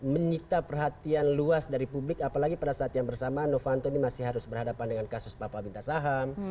menyita perhatian luas dari publik apalagi pada saat yang bersamaan novanto ini masih harus berhadapan dengan kasus papa minta saham